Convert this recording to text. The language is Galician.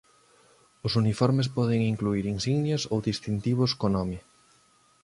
Os uniformes poden incluír insignias ou distintivos co nome.